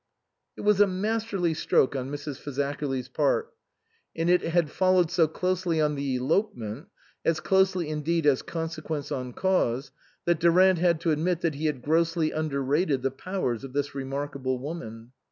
It was a masterly stroke on Mrs. Fazakerly's part, and it had followed so closely on the elope ment (as closely, indeed, as consequence on cause) that Durant had to admit that he had grossly underrated the powers of this remarkable woman.